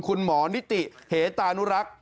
คุณหมอนิติเหตานุรักษ์